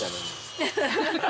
ハハハハ！